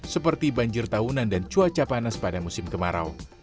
seperti banjir tahunan dan cuaca panas pada musim kemarau